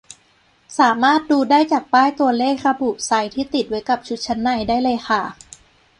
สามารถดูได้จากป้ายตัวเลขระบุไซซ์ที่ติดไว้กับชุดชั้นในได้เลยค่ะ